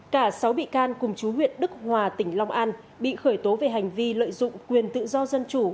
cả sáu bị can cùng chú huyện đức hòa tỉnh long an bị khởi tố về hành vi lợi dụng quyền tự do dân chủ